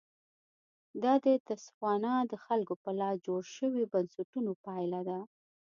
دا د تسوانا د خلکو په لاس جوړ شویو بنسټونو پایله ده.